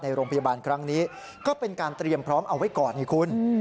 โรงพยาบาลครั้งนี้ก็เป็นการเตรียมพร้อมเอาไว้ก่อนไงคุณ